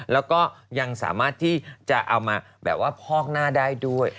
แล้วก็ยังสามารถที่จะเอามาแบบว่าพอกหน้าได้ด้วย